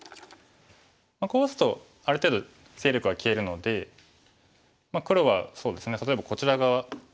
こう打つとある程度勢力が消えるので黒はそうですね例えばこちら側。